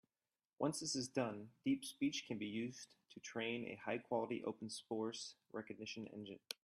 Once this is done, DeepSpeech can be used to train a high-quality open source recognition engine.